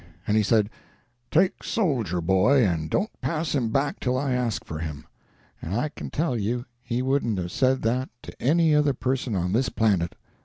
And he said, 'Take Soldier Boy, and don't pass him back till I ask for him!' and I can tell you he wouldn't have said that to any other person on this planet.